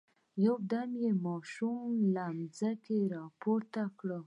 يودم يې ماشومه له ځمکې را پورته کړل.